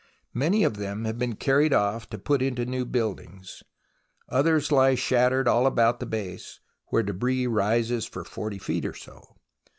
Many of them have been carried off to put into new buildings, others lie shattered all about the base, where the debris rises for 40 feet or so.